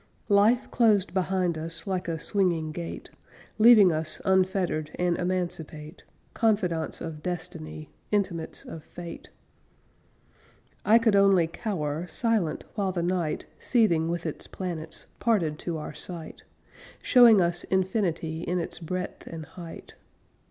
Life closed behind us Like a swinging gate, Leaving us unfettered And emancipate; Confidants of Destiny, Intimates of Fate. I could only cower, Silent, while the night, Seething with its planets, Parted to our sight, Showing us infinity In its breadth and height.